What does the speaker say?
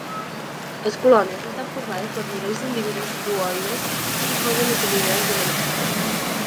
Les colònies estan formades per milers d'individus zooides i poden assolir grans dimensions.